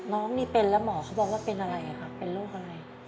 น้องนี่เป็นแล้วหมอเขาบอกว่าเป็นอะไรครับเป็นโรคอะไร